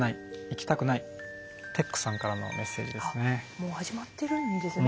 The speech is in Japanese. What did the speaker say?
もう始まってるんですね。